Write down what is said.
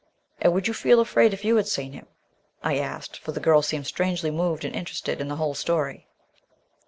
"And would you feel afraid if you had seen him?" I asked, for the girl seemed strangely moved and interested in the whole story.